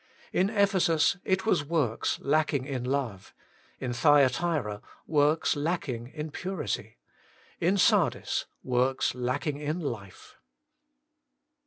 In Ephesus it was works Working for God 155 lacking in love, in Thyatira works lacking in purity, in Sardis works lacking in life.